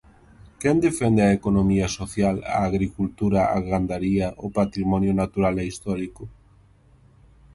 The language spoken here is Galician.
Quen defende a economía social, a agricultura, a gandaría, o patrimonio natural e histórico?